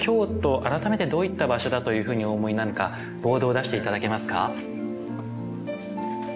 改めてどういった場所だというふうにお思いなのかボードを出して頂けますか。